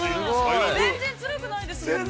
◆全然つらくないですもんね。